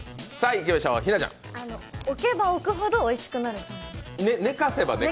置けば置くほどおいしくなる。